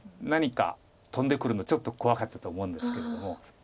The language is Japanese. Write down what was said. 何か飛んでくるのちょっと怖かったと思うんですけども。